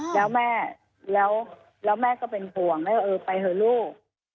แล้วแม่ก็เป็นห่วงแล้วเออไปเถอะลูก